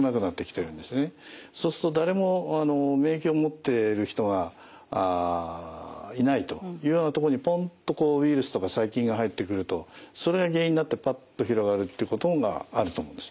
そうすると誰も免疫を持ってる人がいないというようなところにポンッとこうウイルスとか細菌が入ってくるとそれが原因になってパッと広がるってことがあると思うんです。